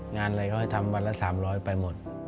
งานอะไรก็ทำวันละ๓๐๐ไปหมด